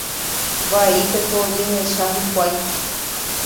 Vaípeko ojehecha hikuái.